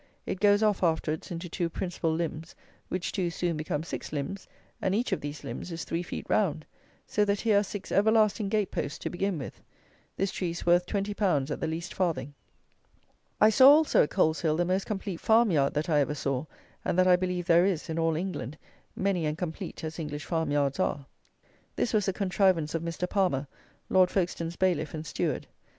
It goes off afterwards into two principal limbs; which two soon become six limbs, and each of these limbs is three feet round. So that here are six everlasting gate posts to begin with. This tree is worth 20 pounds at the least farthing. I saw also at Coleshill the most complete farmyard that I ever saw, and that I believe there is in all England, many and complete as English farmyards are. This was the contrivance of Mr. Palmer, Lord Folkestone's bailiff and steward.